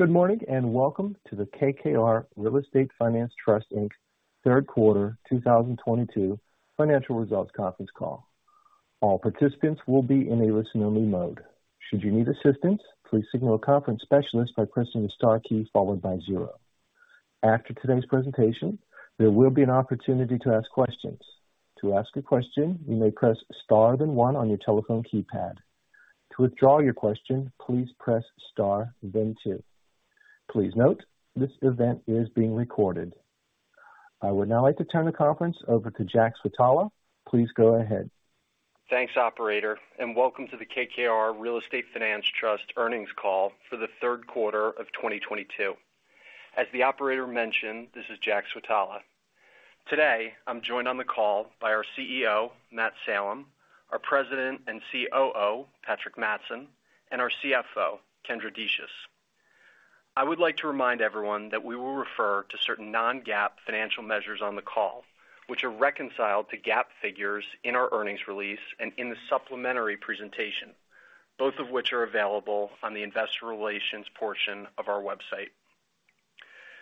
Good morning, and welcome to the KKR Real Estate Finance Trust, Inc. third quarter 2022 financial results conference call. All participants will be in a listen-only mode. Should you need assistance, please signal a conference specialist by pressing the star key followed by zero. After today's presentation, there will be an opportunity to ask questions. To ask a question, you may press star then one on your telephone keypad. To withdraw your question, please press star then two. Please note, this event is being recorded. I would now like to turn the conference over to Jack Switala. Please go ahead. Thanks, operator, and welcome to the KKR Real Estate Finance Trust earnings call for the third quarter of 2022. As the operator mentioned, this is Jack Switala. Today, I'm joined on the call by our CEO, Matt Salem, our President and COO, Patrick Mattson, and our CFO, Kendra Decious. I would like to remind everyone that we will refer to certain non-GAAP financial measures on the call, which are reconciled to GAAP figures in our earnings release and in the supplementary presentation, both of which are available on the investor relations portion of our website.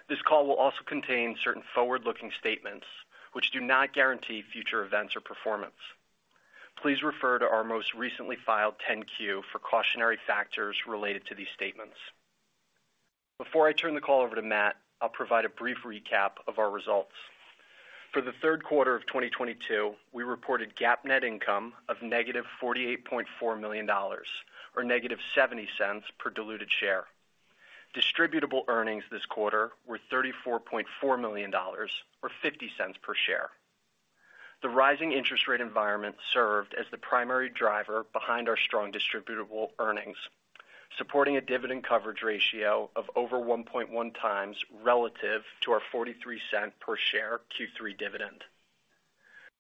This call will also contain certain forward-looking statements which do not guarantee future events or performance. Please refer to our most recently filed 10-Q for cautionary factors related to these statements. Before I turn the call over to Matt, I'll provide a brief recap of our results. For the third quarter of 2022, we reported GAAP net income of -$48.4 million or -$0.70 per diluted share. Distributable earnings this quarter were $34.4 million or $0.50 per share. The rising interest rate environment served as the primary driver behind our strong distributable earnings, supporting a dividend coverage ratio of over 1.1x relative to our $0.43 per share Q3 dividend.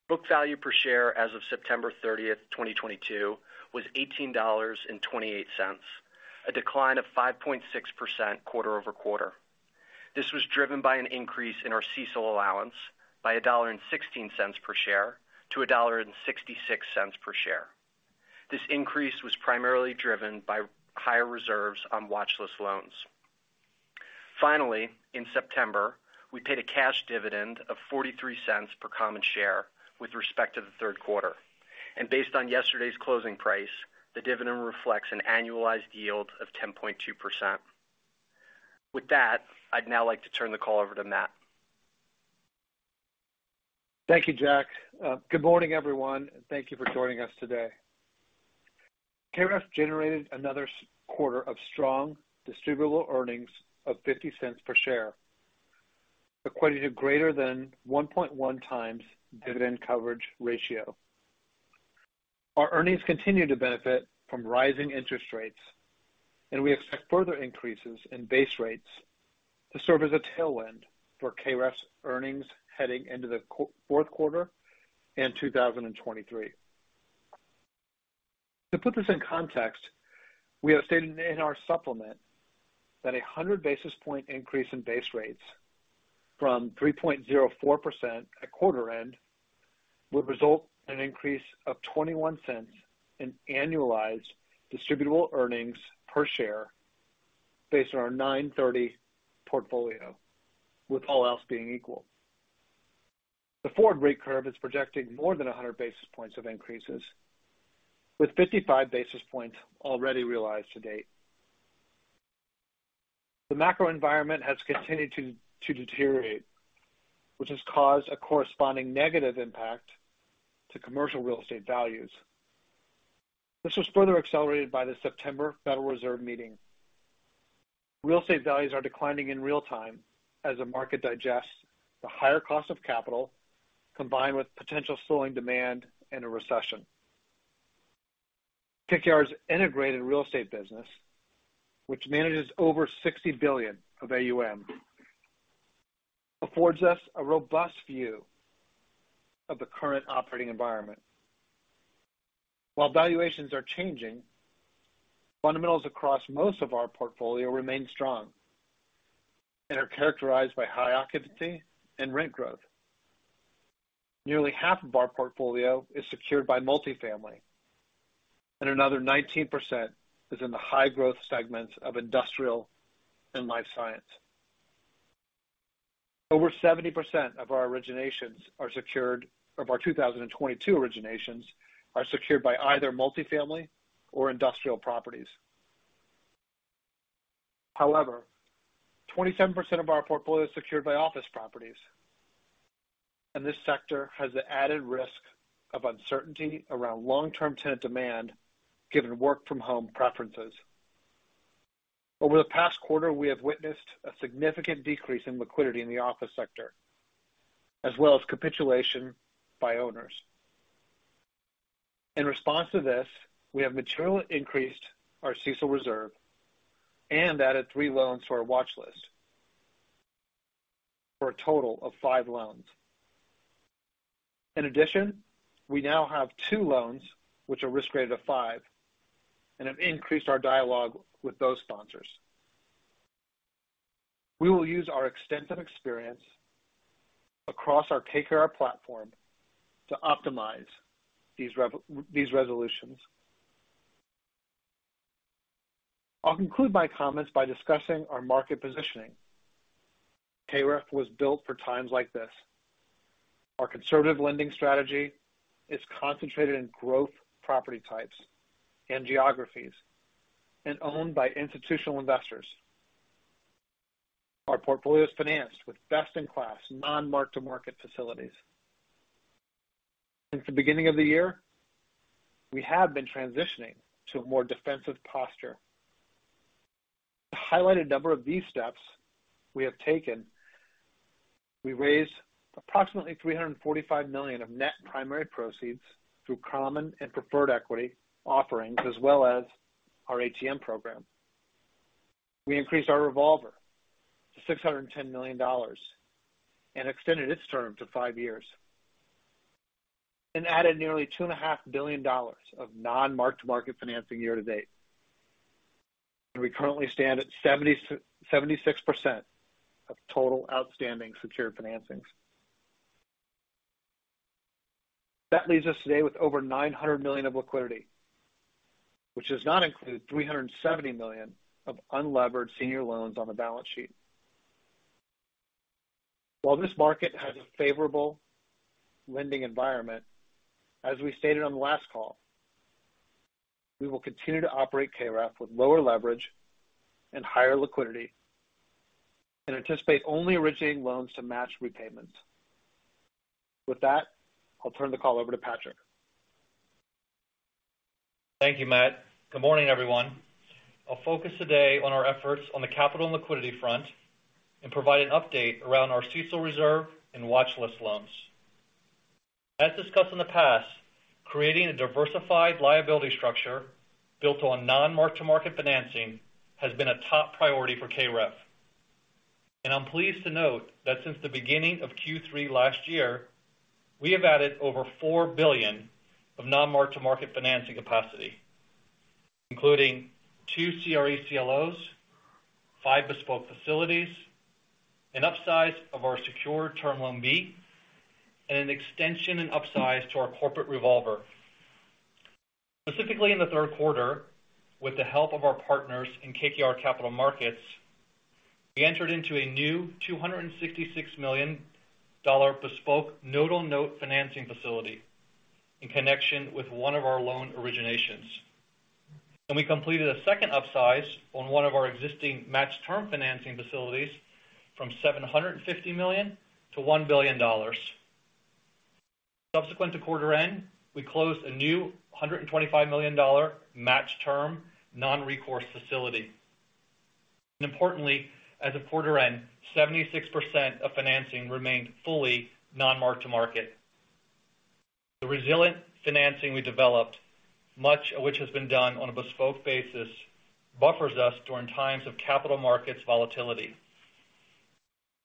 Book value per share as of September 30, 2022 was $18.28, a decline of 5.6% quarter-over-quarter. This was driven by an increase in our CECL allowance by $1.16 per share to $1.66 per share. This increase was primarily driven by higher reserves on watchlist loans. Finally, in September, we paid a cash dividend of $0.43 per common share with respect to the third quarter. Based on yesterday's closing price, the dividend reflects an annualized yield of 10.2%. With that, I'd now like to turn the call over to Matt. Thank you, Jack. Good morning, everyone, and thank you for joining us today. KREF generated another strong quarter of strong distributable earnings of $0.50 per share, equating to greater than 1.1x dividend coverage ratio. Our earnings continue to benefit from rising interest rates, and we expect further increases in base rates to serve as a tailwind for KREF's earnings heading into the fourth quarter in 2023. To put this in context, we have stated in our supplement that a 100 basis point increase in base rates from 3.04% at quarter end would result in an increase of $0.21 in annualized distributable earnings per share based on our 9/30 portfolio, with all else being equal. The forward rate curve is projecting more than a 100 basis points of increases, with 55 basis points already realized to date. The macro environment has continued to deteriorate, which has caused a corresponding negative impact to commercial real estate values. This was further accelerated by the September Federal Reserve meeting. Real estate values are declining in real time as the market digests the higher cost of capital, combined with potential slowing demand and a recession. KKR's integrated real estate business, which manages over $60 billion of AUM, affords us a robust view of the current operating environment. While valuations are changing, fundamentals across most of our portfolio remain strong and are characterized by high occupancy and rent growth. Nearly half of our portfolio is secured by multifamily, and another 19% is in the high growth segments of industrial and life science. Over 70% of our 2022 originations are secured by either multifamily or industrial properties. However, 27% of our portfolio is secured by office properties, and this sector has the added risk of uncertainty around long-term tenant demand given work-from-home preferences. Over the past quarter, we have witnessed a significant decrease in liquidity in the office sector, as well as capitulation by owners. In response to this, we have materially increased our CECL reserve and added three loans to our watchlist for a total of five loans. In addition, we now have two loans which are risk rated a five and have increased our dialogue with those sponsors. We will use our extensive experience across our KKR platform to optimize these resolutions. I'll conclude my comments by discussing our market positioning. KREF was built for times like this. Our conservative lending strategy is concentrated in growth property types and geographies and owned by institutional investors. Our portfolio is financed with best-in-class non-mark-to-market facilities. Since the beginning of the year, we have been transitioning to a more defensive posture. To highlight a number of these steps we have taken, we raised approximately $345 million of net primary proceeds through common and preferred equity offerings, as well as our ATM program. We increased our revolver to $610 million and extended its term to five years, and added nearly $2.5 billion of non-mark-to-market financing year to date. We currently stand at 76% of total outstanding secured financings. That leaves us today with over $900 million of liquidity, which does not include $370 million of unlevered senior loans on the balance sheet. While this market has a favorable lending environment, as we stated on the last call, we will continue to operate KREF with lower leverage and higher liquidity and anticipate only originating loans to match repayments. With that, I'll turn the call over to Patrick. Thank you, Matt. Good morning, everyone. I'll focus today on our efforts on the capital and liquidity front and provide an update around our CECL reserve and watchlist loans. As discussed in the past, creating a diversified liability structure built on non-mark-to-market financing has been a top priority for KREF. I'm pleased to note that since the beginning of Q3 last year, we have added over $4 billion of non-mark-to-market financing capacity, including two CRE CLOs, five bespoke facilities, an upsize of our secured term loan B, and an extension and upsize to our corporate revolver. Specifically in the third quarter, with the help of our partners in KKR Capital Markets, we entered into a new $266 million bespoke note-on-note financing facility in connection with one of our loan originations. We completed a second upsize on one of our existing matched-term financing facilities from $750 million to $1 billion. Subsequent to quarter end, we closed a new $125 million matched-term non-recourse facility. Importantly, as of quarter end, 76% of financing remained fully non-mark-to-market. The resilient financing we developed, much of which has been done on a bespoke basis, buffers us during times of capital markets volatility.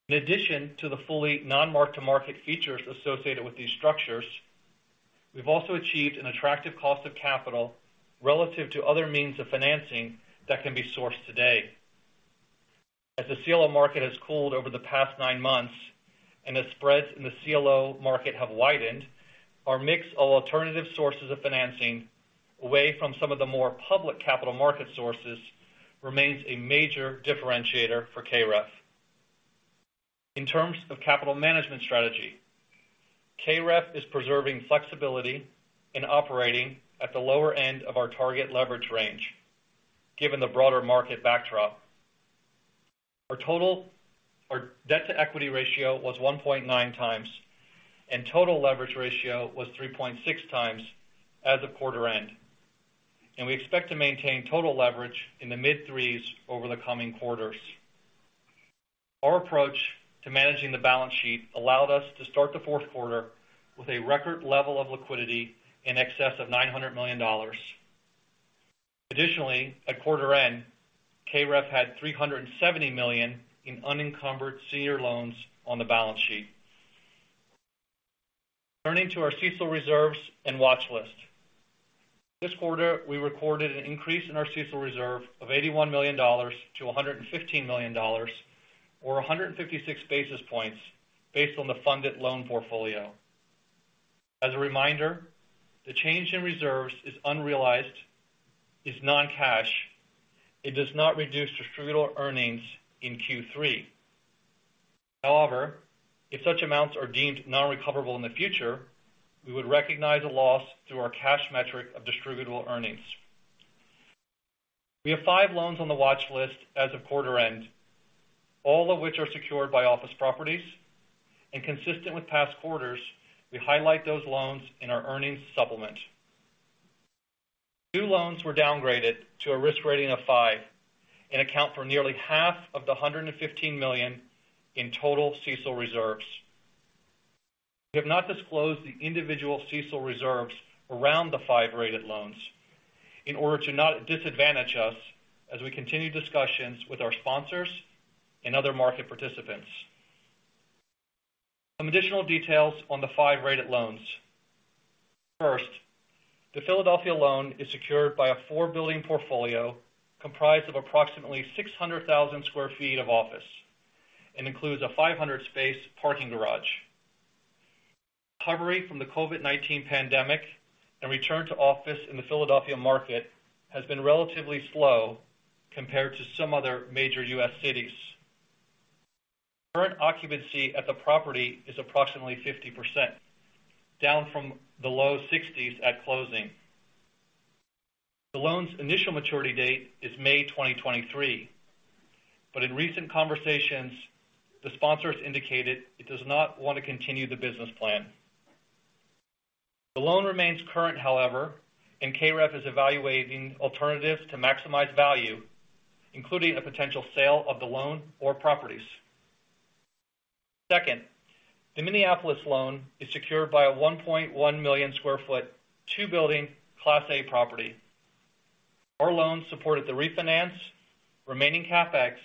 In addition to the fully non-mark-to-market features associated with these structures, we've also achieved an attractive cost of capital relative to other means of financing that can be sourced today. As the CLO market has cooled over the past nine months and as spreads in the CLO market have widened, our mix of alternative sources of financing away from some of the more public capital market sources remains a major differentiator for KREF. In terms of capital management strategy, KREF is preserving flexibility and operating at the lower end of our target leverage range, given the broader market backdrop. Our debt-to-equity ratio was 1.9x, and total leverage ratio was 3.6x as of quarter end. We expect to maintain total leverage in the mid-3s over the coming quarters. Our approach to managing the balance sheet allowed us to start the fourth quarter with a record level of liquidity in excess of $900 million. Additionally, at quarter end, KREF had $370 million in unencumbered senior loans on the balance sheet. Turning to our CECL reserves and watchlist. This quarter, we recorded an increase in our CECL reserve of $81 million to $115 million, or 156 basis points based on the funded loan portfolio. As a reminder, the change in reserves is unrealized, is non-cash. It does not reduce distributable earnings in Q3. However, if such amounts are deemed non-recoverable in the future, we would recognize a loss through our cash metric of distributable earnings. We have five loans on the watchlist as of quarter end, all of which are secured by office properties. Consistent with past quarters, we highlight those loans in our earnings supplement. Two loans were downgraded to a risk rating of five and account for nearly half of the $115 million in total CECL reserves. We have not disclosed the individual CECL reserves around the five-rated loans in order to not disadvantage us as we continue discussions with our sponsors and other market participants. Some additional details on the five-rated loans. First, the Philadelphia loan is secured by a four-building portfolio comprised of approximately 600,000 sq ft of office and includes a 500-space parking garage. Recovery from the COVID-19 pandemic and return to office in the Philadelphia market has been relatively slow compared to some other major U.S. cities. Current occupancy at the property is approximately 50%, down from the low 60s at closing. The loan's initial maturity date is May 2023. In recent conversations, the sponsors indicated it does not want to continue the business plan. The loan remains current, however, and KREF is evaluating alternatives to maximize value, including a potential sale of the loan or properties. Second, the Minneapolis loan is secured by a 1.1 million sq ft two building class A property. Our loan supported the refinance, remaining CapEx,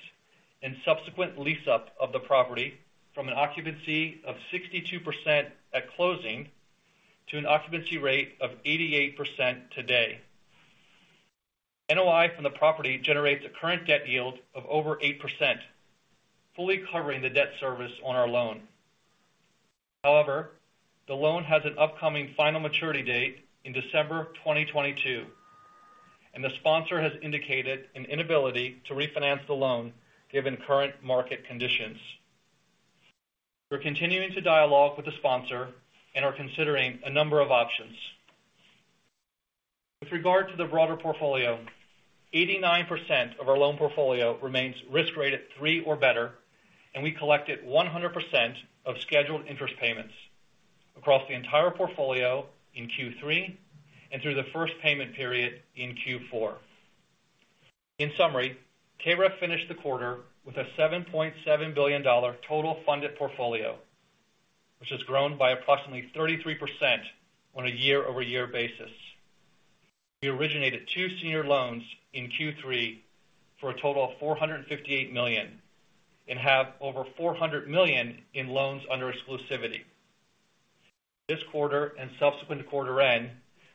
and subsequent lease up of the property from an occupancy of 62% at closing to an occupancy rate of 88% today. NOI from the property generates a current debt yield of over 8%, fully covering the debt service on our loan. However, the loan has an upcoming final maturity date in December 2022, and the sponsor has indicated an inability to refinance the loan given current market conditions. We're continuing to dialogue with the sponsor and are considering a number of options. With regard to the broader portfolio, 89% of our loan portfolio remains risk rated three or better, and we collected 100% of scheduled interest payments across the entire portfolio in Q3 and through the first payment period in Q4. In summary, KREF finished the quarter with a $7.7 billion total funded portfolio, which has grown by approximately 33% on a year-over-year basis. We originated two senior loans in Q3 for a total of $458 million and have over $400 million in loans under exclusivity. This quarter and subsequent quarter end,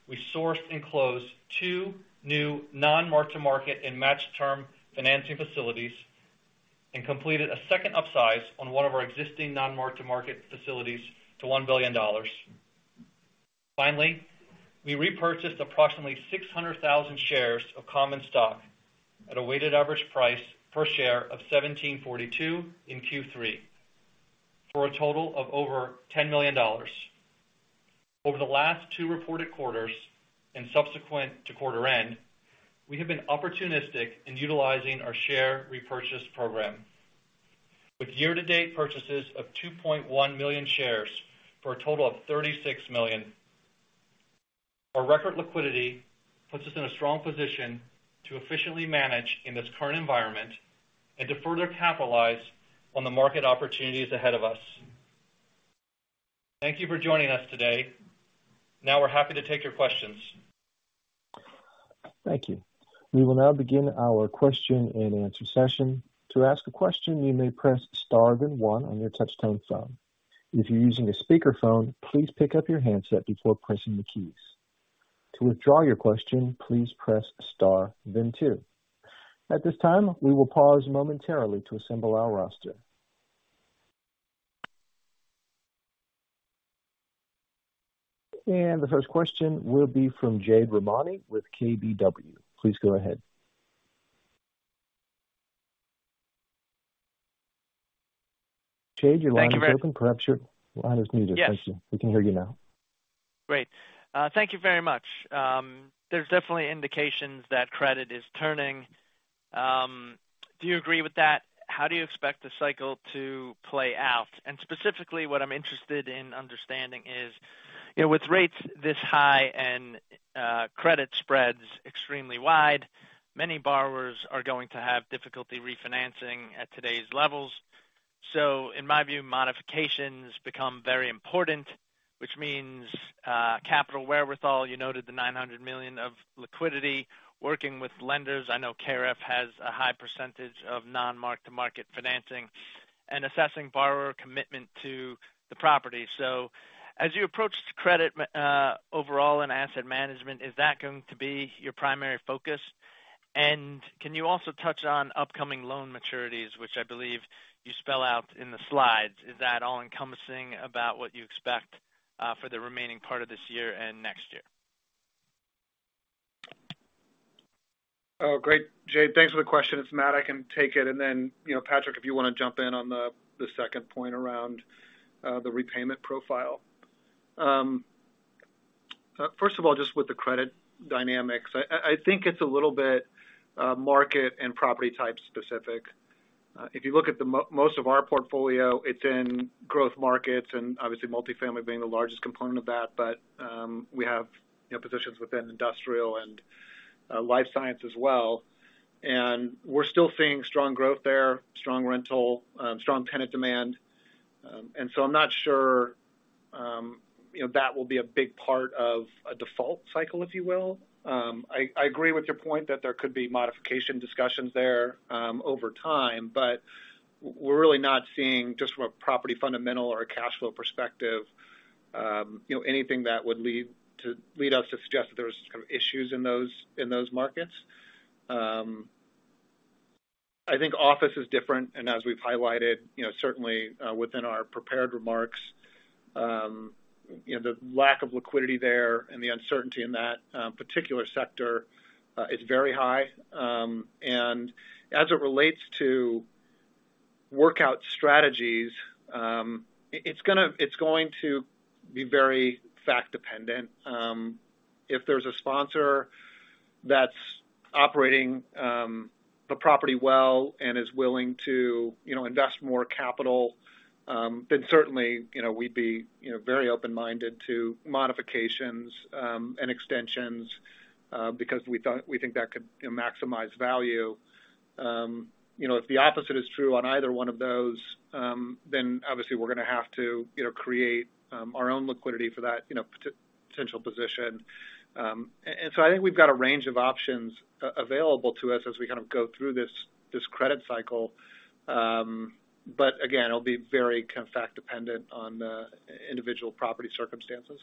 we sourced and closed two new non-mark-to-market and matched term financing facilities and completed a second upsize on one of our existing non-mark-to-market facilities to $1 billion. Finally, we repurchased approximately 600,000 shares of common stock at a weighted average price per share of $17.42 in Q3 for a total of over $10 million. Over the last two reported quarters and subsequent to quarter end, we have been opportunistic in utilizing our share repurchase program with year-to-date purchases of 2.1 million shares for a total of $36 million. Our record liquidity puts us in a strong position to efficiently manage in this current environment and to further capitalize on the market opportunities ahead of us. Thank you for joining us today. Now we're happy to take your questions. Thank you. We will now begin our question-and-answer session. To ask a question, you may press star then one on your touchtone phone. If you're using a speakerphone, please pick up your handset before pressing the keys. To withdraw your question, please press star then two. At this time, we will pause momentarily to assemble our roster. The first question will be from Jade Rahmani with KBW. Please go ahead. Jade, your line is open. Thank you. Perhaps your line is muted. Yes. Thank you. We can hear you now. Great. Thank you very much. There's definitely indications that credit is turning. Do you agree with that? How do you expect the cycle to play out? Specifically, what I'm interested in understanding is, you know, with rates this high and credit spreads extremely wide, many borrowers are going to have difficulty refinancing at today's levels. In my view, modifications become very important, which means capital wherewithal. You noted the $900 million of liquidity working with lenders. I know KREF has a high percentage of non-mark-to-market financing and assessing borrower commitment to the property. As you approach credit overall and asset management, is that going to be your primary focus? Can you also touch on upcoming loan maturities, which I believe you spell out in the slides? Is that all-encompassing about what you expect, for the remaining part of this year and next year? Oh, great. Jade, thanks for the question. It's Matt. I can take it. You know, Patrick, if you wanna jump in on the second point around the repayment profile. First of all, just with the credit dynamics, I think it's a little bit market and property type specific. If you look at the most of our portfolio, it's in growth markets and obviously multifamily being the largest component of that. We have, you know, positions within industrial and life science as well. We're still seeing strong growth there, strong rental, strong tenant demand. I'm not sure, you know, that will be a big part of a default cycle, if you will. I agree with your point that there could be modification discussions there, over time, but we're really not seeing just from a property fundamental or a cash flow perspective. You know, anything that would lead us to suggest that there was kinds of issues in those markets. I think office is different, and as we've highlighted, you know, certainly within our prepared remarks, you know, the lack of liquidity there and the uncertainty in that particular sector is very high. As it relates to workout strategies, it's going to be very fact dependent. If there's a sponsor that's operating the property well and is willing to, you know, invest more capital, then certainly, you know, we'd be, you know, very open-minded to modifications and extensions, because we think that could, you know, maximize value. You know, if the opposite is true on either one of those, then obviously we're gonna have to, you know, create our own liquidity for that, you know, potential position. I think we've got a range of options available to us as we kind of go through this credit cycle. Again, it'll be very kind of fact dependent on the individual property circumstances.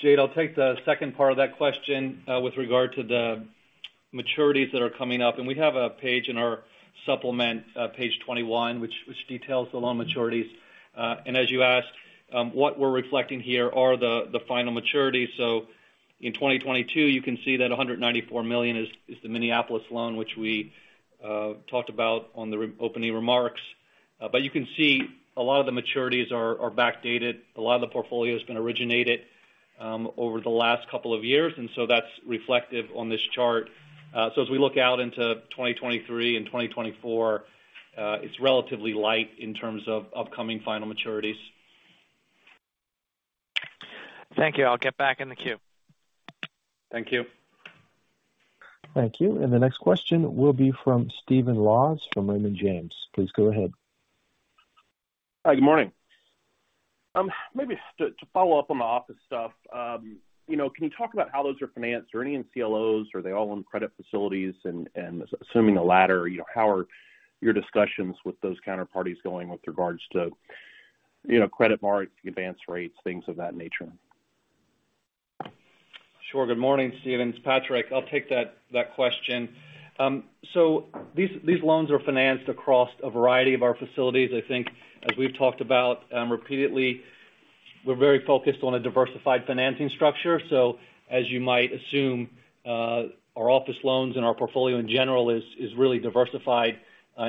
Jade, I'll take the second part of that question with regard to the maturities that are coming up. We have a page in our supplement, page 21, which details the loan maturities. As you asked, what we're reflecting here are the final maturities. In 2022, you can see that $194 million is the Minneapolis loan, which we talked about on the opening remarks. But you can see a lot of the maturities are back-loaded. A lot of the portfolio's been originated over the last couple of years, and so that's reflective on this chart. As we look out into 2023 and 2024, it's relatively light in terms of upcoming final maturities. Thank you. I'll get back in the queue. Thank you. Thank you. The next question will be from Stephen Laws from Raymond James. Please go ahead. Hi. Good morning. Maybe just to follow up on the office stuff, you know, can you talk about how those are financed? Are any in CLOs? Are they all in credit facilities? Assuming the latter, you know, how are your discussions with those counterparties going with regards to, you know, credit marks, advance rates, things of that nature? Sure. Good morning, Stephen. It's Patrick. I'll take that question. These loans are financed across a variety of our facilities. I think as we've talked about repeatedly, we're very focused on a diversified financing structure. As you might assume, our office loans and our portfolio in general is really diversified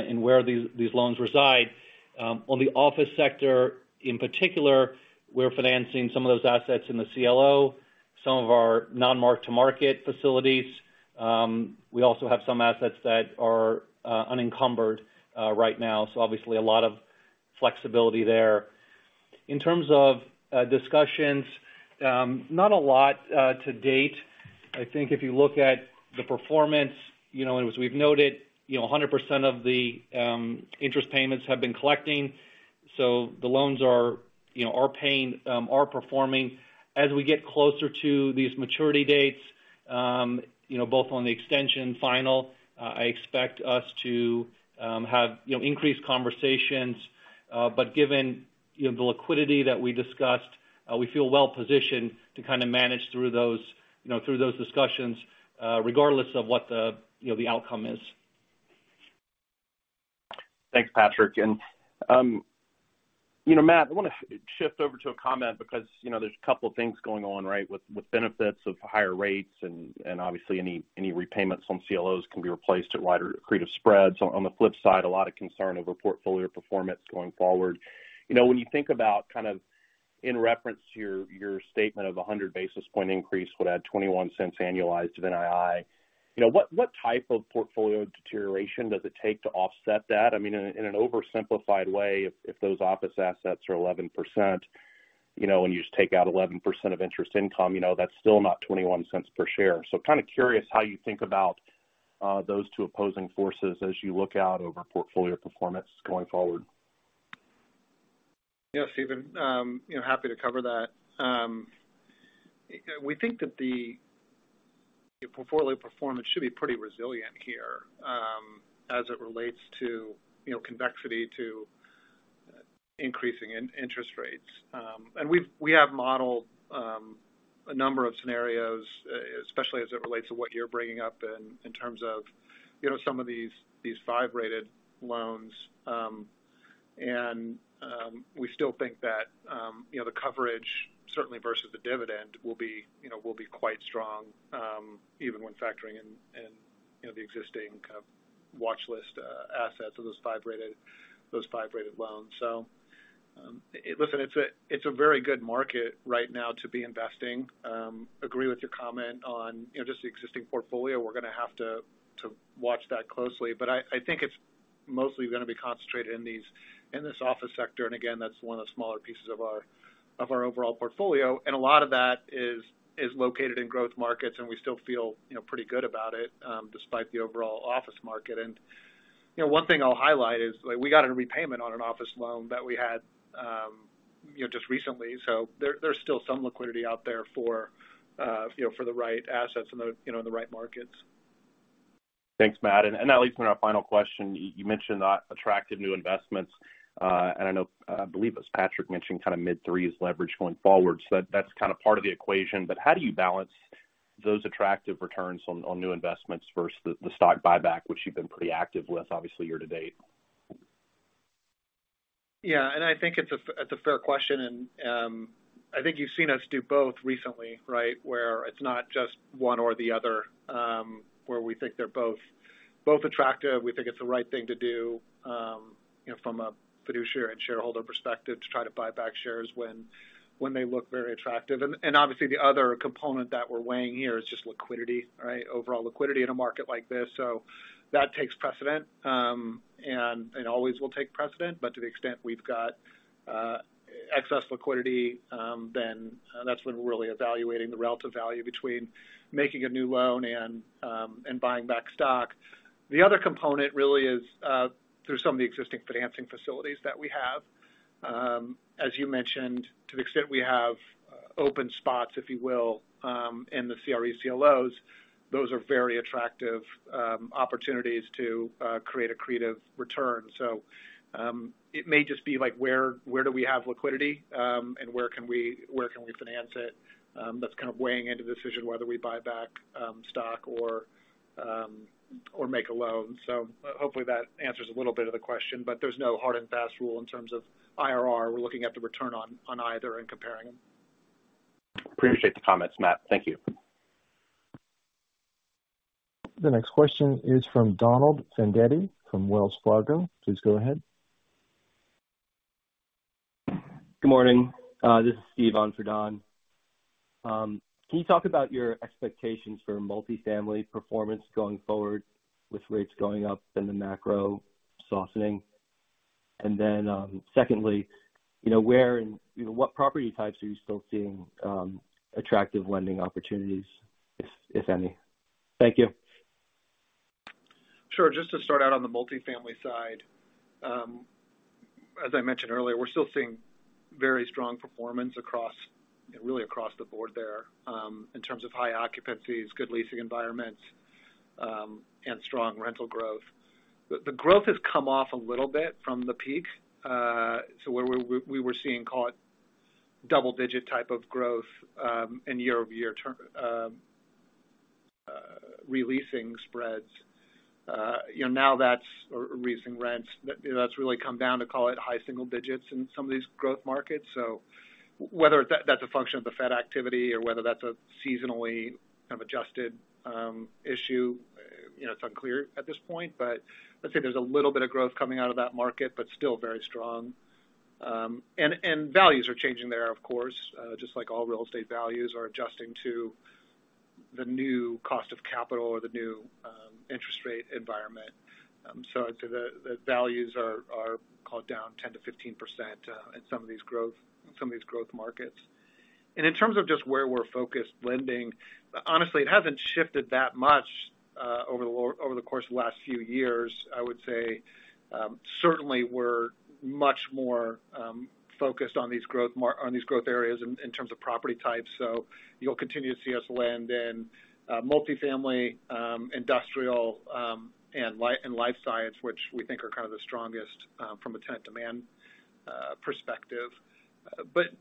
in where these loans reside. On the office sector in particular, we're financing some of those assets in the CLO, some of our non-mark-to-market facilities. We also have some assets that are unencumbered right now, so obviously a lot of flexibility there. In terms of discussions, not a lot to date. I think if you look at the performance, you know, and as we've noted, you know, 100% of the interest payments have been collecting, so the loans are, you know, paying and performing. As we get closer to these maturity dates, you know, both on the extension final, I expect us to have, you know, increased conversations. But given, you know, the liquidity that we discussed, we feel well positioned to kind of manage through those, you know, through those discussions, regardless of what the, you know, the outcome is. Thanks, Patrick. You know, Matt, I want to shift over to a comment because, you know, there's a couple things going on, right, with benefits of higher rates and obviously any repayments on CLOs can be replaced at wider accretive spreads. On the flip side, a lot of concern over portfolio performance going forward. You know, when you think about kind of in reference to your statement of a 100 basis point increase would add $0.21 annualized to NII, you know, what type of portfolio deterioration does it take to offset that? I mean, in an oversimplified way, if those office assets are 11%, you know, when you just take out 11% of interest income, you know, that's still not $0.21 per share. Kind of curious how you think about those two opposing forces as you look out over portfolio performance going forward? Yeah, Steven, you know, happy to cover that. We think that the portfolio performance should be pretty resilient here, as it relates to, you know, convexity to increasing interest rates. We have modeled a number of scenarios, especially as it relates to what you're bringing up in terms of, you know, some of these five-rated loans. We still think that, you know, the coverage certainly versus the dividend will be quite strong, even when factoring in, you know, the existing kind of watchlist assets of those five-rated loans. Listen, it's a very good market right now to be investing. Agree with your comment on, you know, just the existing portfolio. We're gonna have to watch that closely. I think it's mostly gonna be concentrated in this office sector. Again, that's one of the smaller pieces of our overall portfolio. A lot of that is located in growth markets, and we still feel, you know, pretty good about it despite the overall office market. You know, one thing I'll highlight is, like, we got a repayment on an office loan that we had just recently. There's still some liquidity out there for, you know, for the right assets in the right markets. Thanks, Matt. That leads me to our final question. You mentioned attractive new investments, and I know I believe it was Patrick mentioned kind of mid-threes leverage going forward. That's kind of part of the equation. How do you balance those attractive returns on new investments versus the stock buyback, which you've been pretty active with obviously year to date? Yeah. I think it's a fair question. I think you've seen us do both recently, right? Where it's not just one or the other, where we think they're both attractive. We think it's the right thing to do, you know, from a fiduciary and shareholder perspective to try to buy back shares when they look very attractive. Obviously the other component that we're weighing here is just liquidity, right? Overall liquidity in a market like this. That takes precedence and always will take precedence. But to the extent we've got excess liquidity, then that's when we're really evaluating the relative value between making a new loan and buying back stock. The other component really is through some of the existing financing facilities that we have. As you mentioned, to the extent we have open spots, if you will, in the CRE CLOs, those are very attractive opportunities to create accretive return. It may just be like where do we have liquidity, and where can we finance it, that's kind of weighing into the decision whether we buy back stock or make a loan. Hopefully that answers a little bit of the question, but there's no hard and fast rule in terms of IRR. We're looking at the return on either and comparing them. Appreciate the comments, Matt. Thank you. The next question is from Don Fandetti from Wells Fargo. Please go ahead. Good morning. This is Steve on for Don. Can you talk about your expectations for multifamily performance going forward with rates going up and the macro softening? Secondly, you know, where and, you know, what property types are you still seeing attractive lending opportunities, if any? Thank you. Sure. Just to start out on the multifamily side, as I mentioned earlier, we're still seeing very strong performance really across the board there, in terms of high occupancies, good leasing environments, and strong rental growth. The growth has come off a little bit from the peak. So where we were seeing, call it, double-digit type of growth, in year-over-year re-leasing spreads. You know, now that's or re-leasing rents, you know, that's really come down to, call it, high single digits in some of these growth markets. So whether that's a function of the Fed activity or whether that's a seasonally kind of adjusted issue, you know, it's unclear at this point. I'd say there's a little bit of growth coming out of that market, but still very strong. Values are changing there, of course, just like all real estate values are adjusting to the new cost of capital or the new interest rate environment. I'd say the values are, call it, down 10%-15% in some of these growth markets. In terms of just where we're focused lending, honestly, it hasn't shifted that much over the course of the last few years. I would say, certainly we're much more focused on these growth areas in terms of property types. You'll continue to see us lend in multifamily, industrial, and life science, which we think are kind of the strongest from a tenant demand perspective.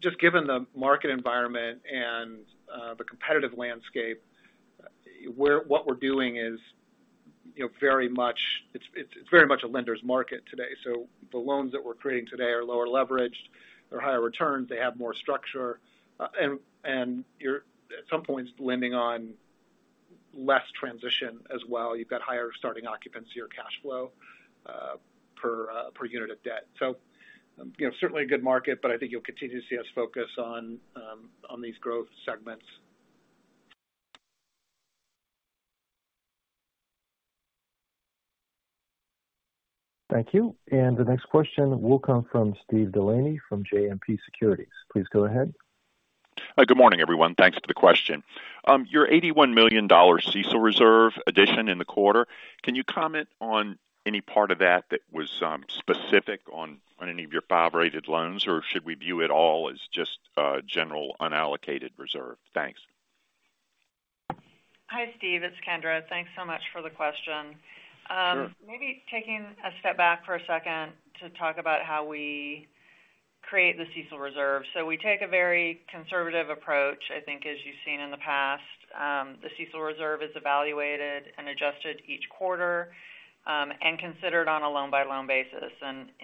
Just given the market environment and the competitive landscape, what we're doing is, you know, very much. It's very much a lender's market today. The loans that we're creating today are lower leveraged. They're higher returns. They have more structure. And you're at some point lending on less transition as well. You've got higher starting occupancy or cash flow per unit of debt. You know, certainly a good market, but I think you'll continue to see us focus on these growth segments. Thank you. The next question will come from Steve DeLaney from JMP Securities. Please go ahead. Hi. Good morning, everyone. Thanks for the question. Your $81 million CECL reserve addition in the quarter, can you comment on any part of that that was specific on any of your five rated loans? Or should we view it all as just a general unallocated reserve? Thanks. Hi, Steve. It's Kendra. Thanks so much for the question. Sure. Maybe taking a step back for a second to talk about how we create the CECL reserve. We take a very conservative approach, I think, as you've seen in the past. The CECL reserve is evaluated and adjusted each quarter, and considered on a loan-by-loan basis.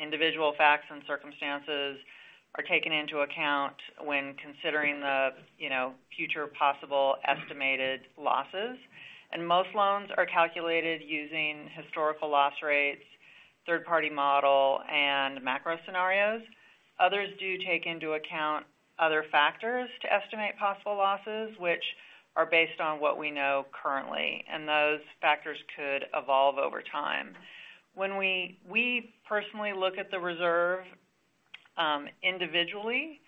Individual facts and circumstances are taken into account when considering the, you know, future possible estimated losses. Most loans are calculated using historical loss rates, third-party model, and macro scenarios. Others do take into account other factors to estimate possible losses, which are based on what we know currently, and those factors could evolve over time. We personally look at the reserve, individually,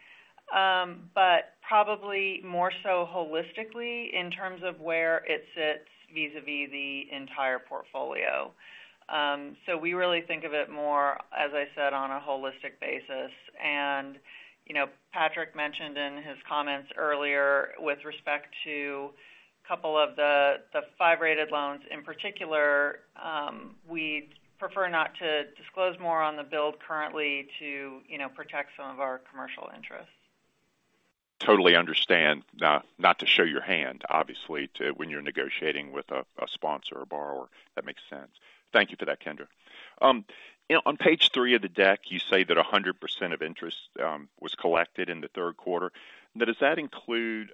but probably more so holistically in terms of where it sits vis-à-vis the entire portfolio. We really think of it more, as I said, on a holistic basis. You know, Patrick mentioned in his comments earlier with respect to A couple of the five-rated loans in particular, we'd prefer not to disclose more on the build currently to you know protect some of our commercial interests. Totally understand not to show your hand, obviously, when you're negotiating with a sponsor or borrower. That makes sense. Thank you for that, Kendra. You know, on page three of the deck, you say that 100% of interest was collected in the third quarter. Now, does that include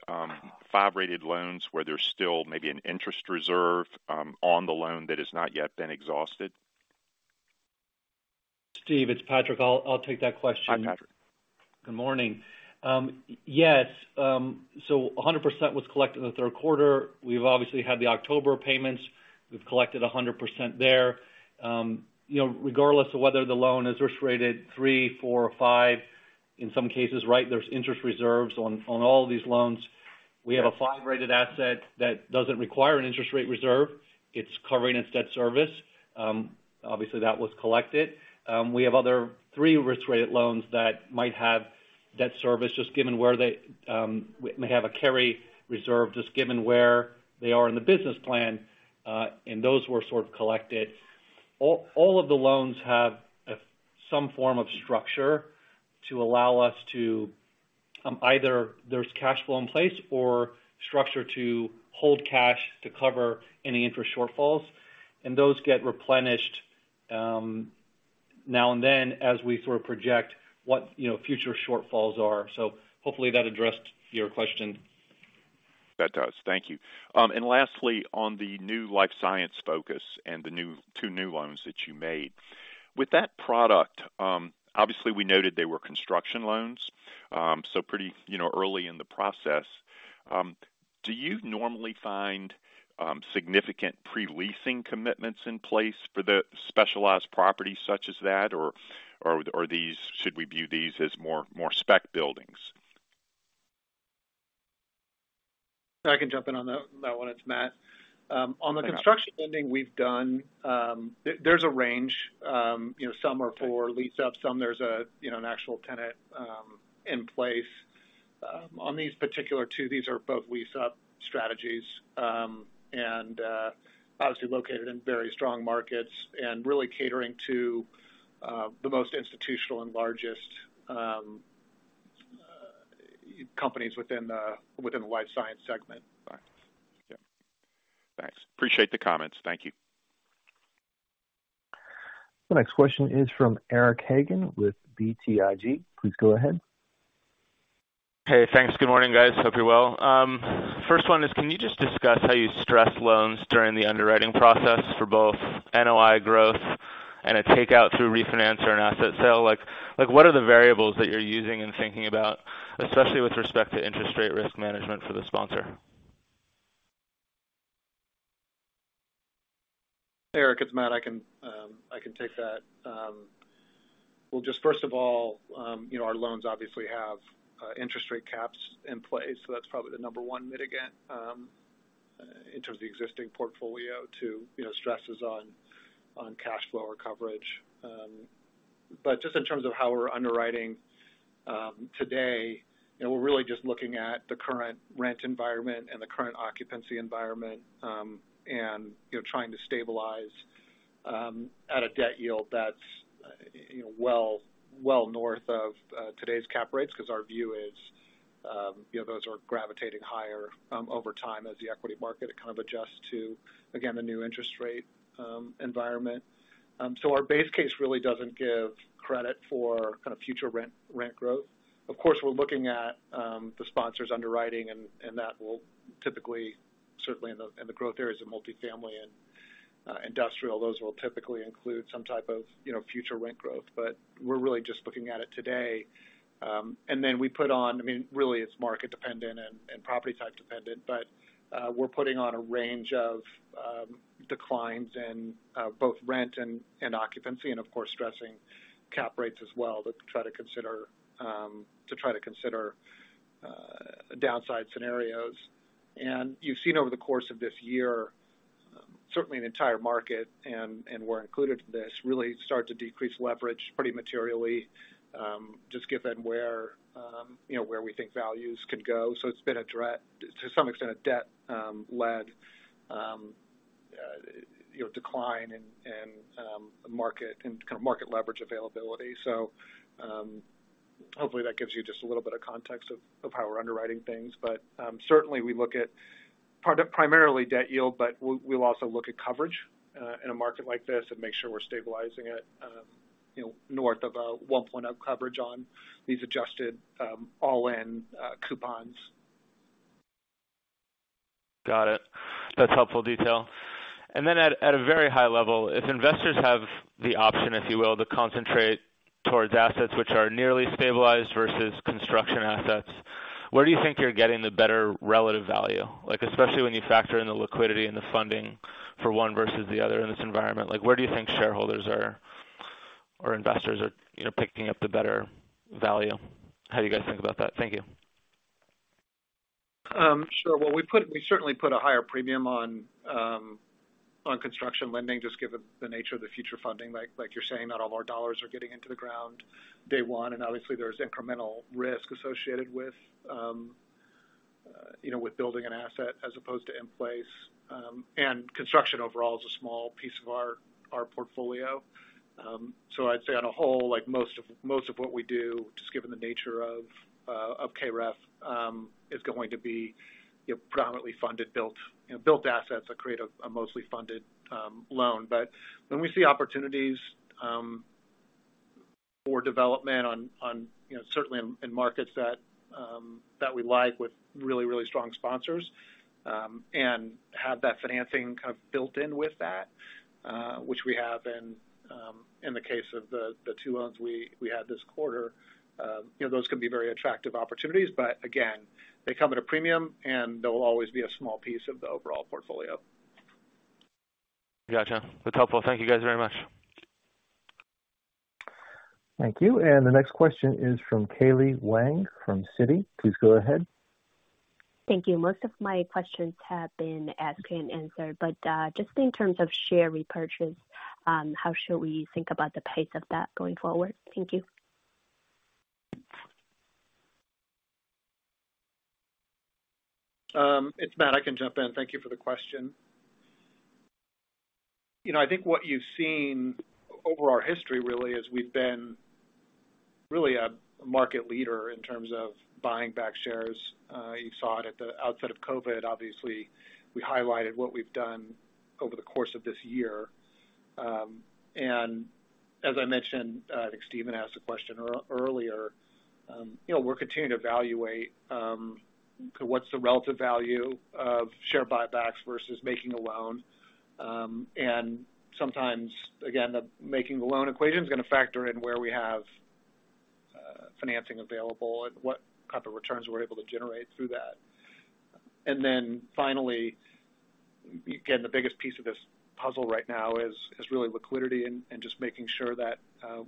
five-rated loans where there's still maybe an interest reserve on the loan that has not yet been exhausted? Steve, it's Patrick. I'll take that question. Hi, Patrick. Good morning. Yes. 100% was collected in the third quarter. We've obviously had the October payments. We've collected 100% there. You know, regardless of whether the loan is risk-rated three, four or five, in some cases, right, there's interest reserves on all these loans. We have a five-rated asset that doesn't require an interest rate reserve. It's covering its debt service. Obviously, that was collected. We have other three risk-rated loans that might have debt service just given where they may have a carry reserve, just given where they are in the business plan, and those were sort of collected. All of the loans have some form of structure to allow us to either there's cash flow in place or structure to hold cash to cover any interest shortfalls, and those get replenished now and then as we sort of project what you know future shortfalls are. Hopefully that addressed your question. That does. Thank you. Lastly, on the new life science focus and the two new loans that you made. With that product, obviously, we noted they were construction loans, so pretty, you know, early in the process. Do you normally find significant pre-leasing commitments in place for the specialized properties such as that? Or should we view these as more spec buildings? I can jump in on that one. It's Matt. On the construction lending we've done, there's a range. You know, some are for lease-up, some there's an actual tenant in place. On these particular two, these are both lease-up strategies, and obviously located in very strong markets and really catering to the most institutional and largest companies within the life science segment. Got it. Yeah. Thanks. Appreciate the comments. Thank you. The next question is from Eric Hagen with BTIG. Please go ahead. Hey, thanks. Good morning, guys. Hope you're well. First one is, can you just discuss how you stress loans during the underwriting process for both NOI growth and a takeout through refinance or an asset sale? Like, what are the variables that you're using and thinking about, especially with respect to interest rate risk management for the sponsor? Hey, Eric, it's Matt. I can take that. Well, just first of all, you know, our loans obviously have interest rate caps in place, so that's probably the number one mitigant in terms of the existing portfolio to, you know, stresses on cash flow or coverage. But just in terms of how we're underwriting today, you know, we're really just looking at the current rent environment and the current occupancy environment, and, you know, trying to stabilize at a debt yield that's, you know, well north of today's cap rates because our view is, you know, those are gravitating higher over time as the equity market kind of adjusts to, again, the new interest rate environment. So our base case really doesn't give credit for kind of future rent growth. Of course, we're looking at the sponsors' underwriting, and that will typically, certainly in the growth areas of multifamily and industrial, those will typically include some type of, you know, future rent growth. We're really just looking at it today. We put on. I mean, really it's market dependent and property type dependent, but we're putting on a range of declines in both rent and occupancy and, of course, stressing cap rates as well to try to consider downside scenarios. You've seen over the course of this year, certainly in the entire market, and we're included in this, really start to decrease leverage pretty materially, just given where, you know, where we think values could go. It's been to some extent a debt-led, you know, decline in market and kind of market leverage availability. Hopefully that gives you just a little bit of context of how we're underwriting things. Certainly we look at primarily Debt Yield, but we'll also look at coverage in a market like this and make sure we're stabilizing it, you know, north of one point of coverage on these adjusted all-in coupons. Got it. That's helpful detail. Then at a very high level, if investors have the option, if you will, to concentrate towards assets which are nearly stabilized versus construction assets, where do you think you're getting the better relative value? Like, especially when you factor in the liquidity and the funding for one versus the other in this environment, like, where do you think shareholders are or investors are, you know, picking up the better value? How do you guys think about that? Thank you. Sure. Well, we certainly put a higher premium on construction lending, just given the nature of the future funding, like you're saying, not all of our dollars are getting into the ground day one. Obviously there's incremental risk associated with, you know, with building an asset as opposed to in place. Construction overall is a small piece of our portfolio. I'd say on a whole, like most of what we do, just given the nature of KREF, is going to be, you know, predominantly funded built, you know, built assets that create a mostly funded loan. When we see opportunities, for development on, you know, certainly in markets that we like with really, really strong sponsors, and have that financing kind of built in with that, which we have in the case of the two loans we had this quarter, you know, those can be very attractive opportunities. Again, they come at a premium, and they'll always be a small piece of the overall portfolio. Gotcha. That's helpful. Thank you guys very much. Thank you. The next question is from Caitlin Wang from Citi. Please go ahead. Thank you. Most of my questions have been asked and answered, but just in terms of share repurchase, how should we think about the pace of that going forward? Thank you. It's Matt, I can jump in. Thank you for the question. You know, I think what you've seen over our history really is we've been really a market leader in terms of buying back shares. You saw it at the outset of COVID, obviously. We highlighted what we've done over the course of this year. As I mentioned, I think Steven asked a question earlier, you know, we're continuing to evaluate what's the relative value of share buybacks versus making a loan. Sometimes, again, the making the loan equation's gonna factor in where we have financing available and what type of returns we're able to generate through that. Then finally, again, the biggest piece of this puzzle right now is really liquidity and just making sure that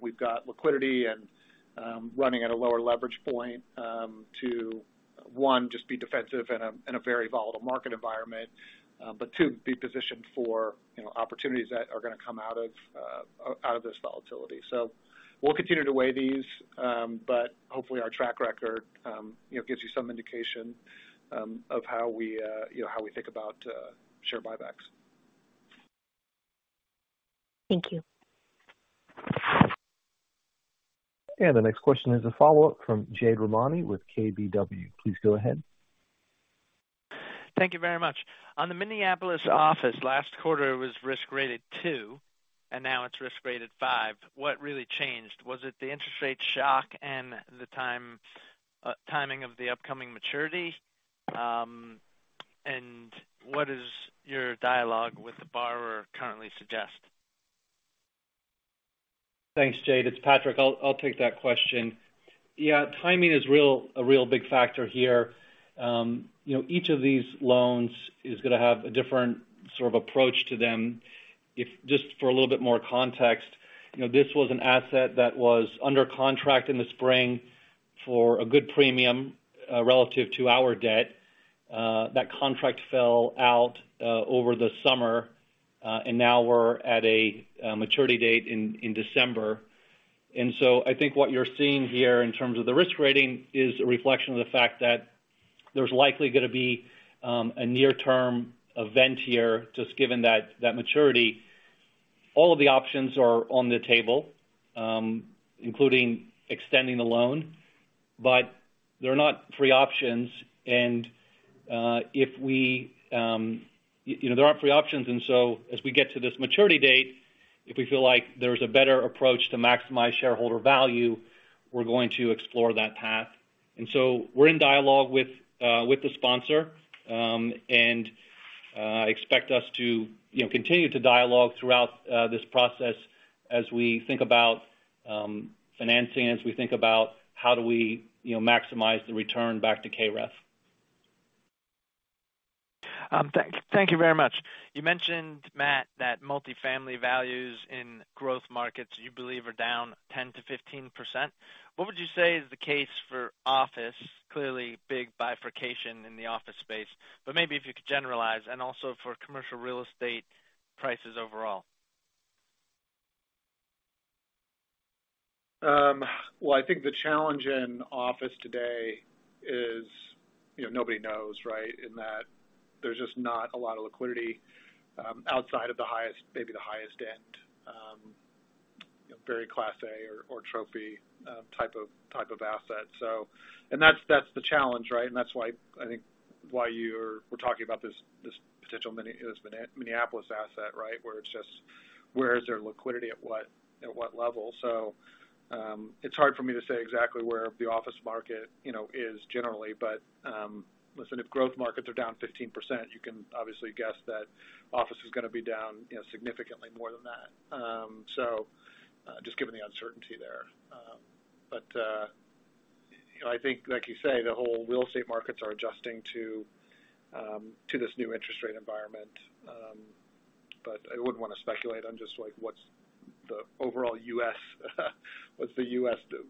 we've got liquidity and running at a lower leverage point to one just be defensive in a very volatile market environment but two be positioned for you know opportunities that are gonna come out of this volatility. We'll continue to weigh these but hopefully our track record you know gives you some indication of how we you know how we think about share buybacks. Thank you. The next question is a follow-up from Jade Rahmani with KBW. Please go ahead. Thank you very much. On the Minneapolis office, last quarter it was risk rated 2, and now it's risk rated 5. What really changed? Was it the interest rate shock and the timing of the upcoming maturity? What is your dialogue with the borrower currently suggest? Thanks, Jade. It's Patrick. I'll take that question. Yeah, timing is a real big factor here. You know, each of these loans is gonna have a different sort of approach to them. Just for a little bit more context, you know, this was an asset that was under contract in the spring for a good premium relative to our debt. That contract fell out over the summer, and now we're at a maturity date in December. I think what you're seeing here in terms of the risk rating is a reflection of the fact that there's likely gonna be a near-term event here just given that maturity. All of the options are on the table, including extending the loan, but they're not free options and, if we, you know, there aren't free options, and so as we get to this maturity date, if we feel like there's a better approach to maximize shareholder value, we're going to explore that path. So we're in dialogue with the sponsor, and we expect to, you know, continue to dialogue throughout this process as we think about financing, as we think about how do we, you know, maximize the return back to KREF. Thank you very much. You mentioned, Matt, that multifamily values in growth markets you believe are down 10%-15%. What would you say is the case for office? Clearly big bifurcation in the office space, but maybe if you could generalize and also for commercial real estate prices overall. Well, I think the challenge in office today is, you know, nobody knows, right? In that there's just not a lot of liquidity outside of the highest, maybe the highest end, you know, very class A or trophy type of asset. That's the challenge, right? That's why I think we're talking about this potential Minneapolis asset, right? Where is there liquidity at what level? It's hard for me to say exactly where the office market, you know, is generally, but listen, if growth markets are down 15%, you can obviously guess that office is gonna be down, you know, significantly more than that. Just given the uncertainty there. You know, I think, like you say, the whole real estate markets are adjusting to this new interest rate environment. I wouldn't wanna speculate on just like what's the overall U.S.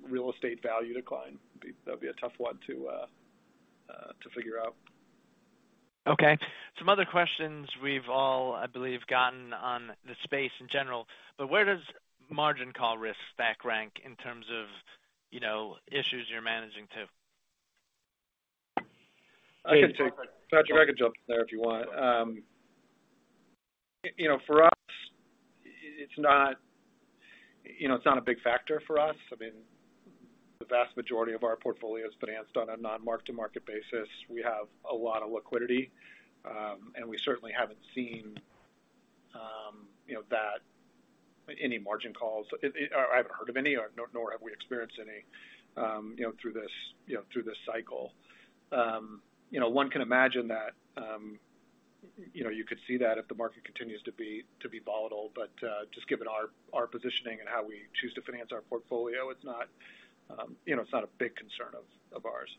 real estate value decline. That'd be a tough one to figure out. Okay. Some other questions we've all, I believe, gotten on the space in general, but where does margin call risk stack rank in terms of, you know, issues you're managing to? I can take Patrick, I can jump in there if you want. You know, for us it's not, you know, it's not a big factor for us. I mean, the vast majority of our portfolio is financed on a non-mark-to-market basis. We have a lot of liquidity. We certainly haven't seen, you know, that any margin calls. I haven't heard of any, or nor have we experienced any, you know, through this, you know, through this cycle. You know, one can imagine that, you know, you could see that if the market continues to be volatile. Just given our positioning and how we choose to finance our portfolio, it's not, you know, it's not a big concern of ours.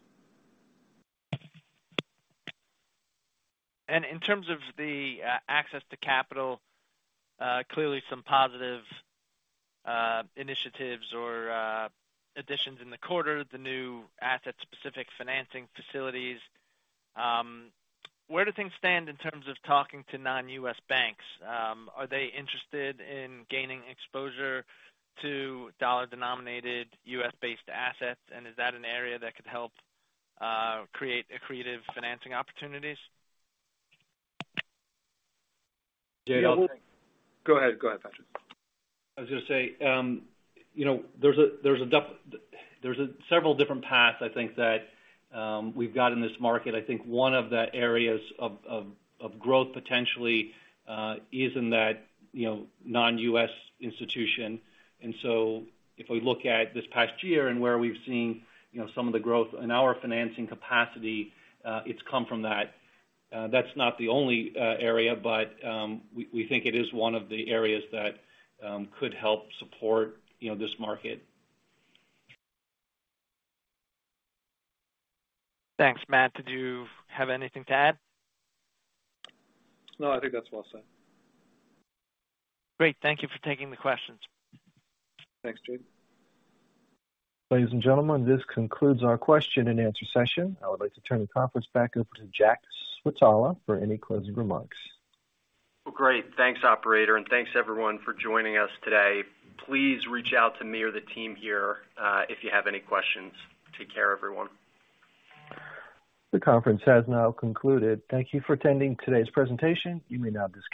In terms of the access to capital, clearly some positive initiatives or additions in the quarter, the new asset-specific financing facilities. Where do things stand in terms of talking to non-U.S. banks? Are they interested in gaining exposure to dollar-denominated US-based assets? Is that an area that could help create creative financing opportunities? Go ahead, Patrick. I was gonna say, you know, there's several different paths I think that we've got in this market. I think one of the areas of growth potentially is in that, you know, non-U.S. institution. If we look at this past year and where we've seen, you know, some of the growth in our financing capacity, it's come from that. That's not the only area, but we think it is one of the areas that could help support, you know, this market. Thanks. Matt, did you have anything to add? No, I think that's well said. Great. Thank you for taking the questions. Thanks, Jade Rahmani. Ladies and gentlemen, this concludes our question and answer session. I would like to turn the conference back over to Jack Switala for any closing remarks. Well, great. Thanks, operator, and thanks everyone for joining us today. Please reach out to me or the team here, if you have any questions. Take care, everyone. The conference has now concluded. Thank you for attending today's presentation. You may now disconnect.